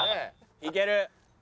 いける！